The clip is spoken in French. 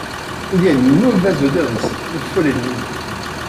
Il y a une mauvaise odeur ici, il faut l’éliminer.